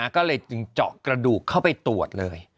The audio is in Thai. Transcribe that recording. ก็เลยจึงเจาะกระดูกเข้าไปตรวจเลย